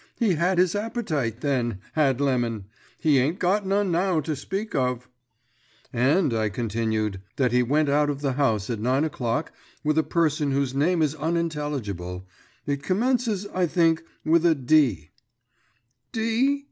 "He had his appetite then, had Lemon! He ain't got none now to speak of." "And," I continued, "that he went out of the house at nine o'clock with a person whose name is unintelligible. It commences, I think, with a D."